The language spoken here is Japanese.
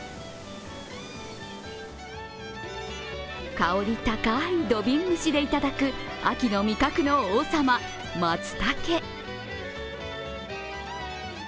香り高い土瓶蒸しで頂く秋の味覚の王様、まつたけ。